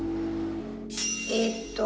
えっと